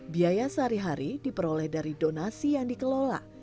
biaya sehari hari diperoleh dari donasi yang dikelola